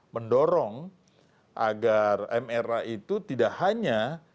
mendorong agar mra itu tidak hanya